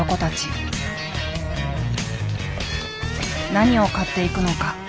何を買っていくのか。